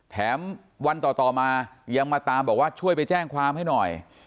แถมวันต่อมายังมาตามบอกว่าช่วยไปแจ้งความให้หน่อย